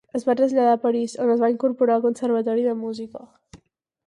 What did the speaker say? Es va traslladar a París, on es va incorporar al Conservatori de Música.